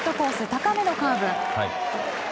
高めのカーブ。